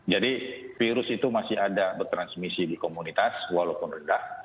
jadi virus itu masih ada bertransmisi di komunitas walaupun rendah